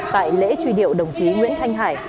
tại lễ truy điệu đồng chí nguyễn thanh hải